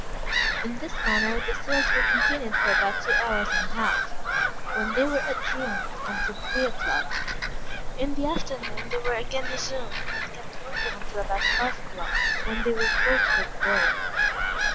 In this manner the sales were continued for about two hours and a half, when they were adjourned until three o'clock. In the afternoon they were again resumed, and kept open until about five o'clock, when they were closed for the day.